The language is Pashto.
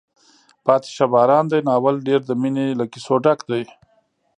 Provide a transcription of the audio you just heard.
پاتې شه باران دی ناول ډېر د مینې له کیسو ډک ده.